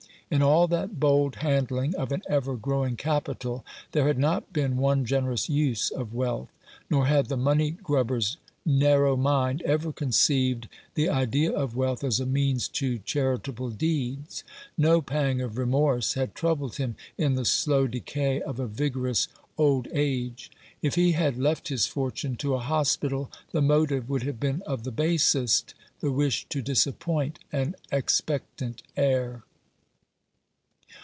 In all that bold handling of an ever growing capital there had not been one generous use of wealth ; nor had the money grubber's narrow mind ever conceived the idea of wealth as a means to charitable deeds. No pang of remorse had troubled him in the slow decay of a vigorous old age. If he had left his fortune to a hospital, the motive would have been of the basest — the wish to disappoint an expectant heir.